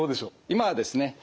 今はですね